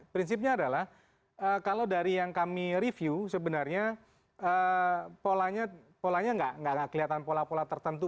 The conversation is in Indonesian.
prinsipnya adalah kalau dari yang kami review sebenarnya polanya nggak kelihatan pola pola tertentu